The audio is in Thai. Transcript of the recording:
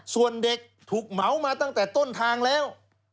ส่วนเด็กถูกเหมามาตั้งแต่ต้นทางแล้ว